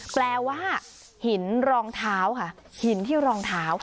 แปลว่าหินรองเท้าค่ะหินที่รองเท้า